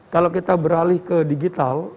kalau kita beralih ke digital